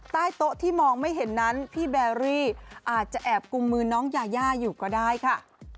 ใต้โต๊ะที่มองไม่เห็นนั้นพี่แบรี่อาจจะแอบกุมมือน้องยายาอยู่ก็ได้ค่ะ